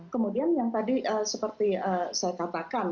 kemudian yang tadi seperti saya katakan